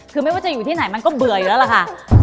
คือไม่ว่าจะอยู่ที่ไหนมันก็เบื่ออยู่แล้วล่ะค่ะ